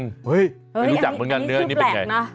เฮ้ยอันนี้ชื่อแปลกนะไม่รู้จักเหมือนกันเนื้อเนื้อเป็นยังไง